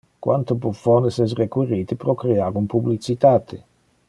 Quante buffones es requirite pro crear un publicitate?